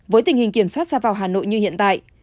với tình hình kiểm soát xa vào hà nội như hiện tại